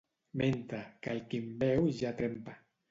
Menta, que el qui en beu ja trempa.